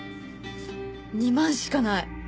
２万しかない。